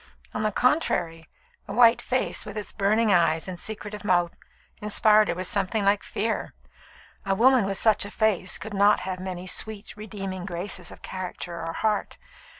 On the contrary, the white face, with its burning eyes and secretive mouth, inspired her with something like fear. A woman with such a face could not have many sweet, redeeming graces of character or heart.